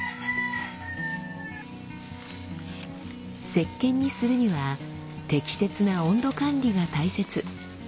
せっけんにするには適切な温度管理が大切。